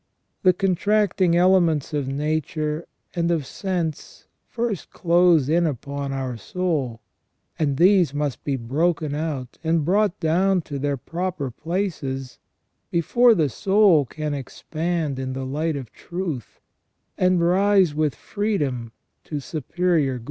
The contracting elements of Nature and of sense first close in upon our soul, and these must be broken out and brought down to their proper places before the soul can expand in the light of truth, and rise with freedom to superior good.